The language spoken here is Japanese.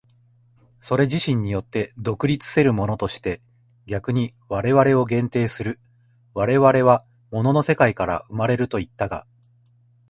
それ自身によって独立せるものとして逆に我々を限定する、我々は物の世界から生まれるといったが、